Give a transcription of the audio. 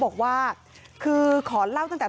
เจ้าแม่น้ำเจ้าแม่น้ำ